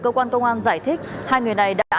cơ quan công an giải thích hai người này đã